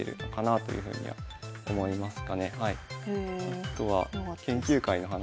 あとは研究会の話とか。